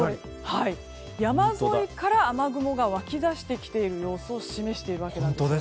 山沿いから雨雲が湧き出してきている様子を示しているわけです。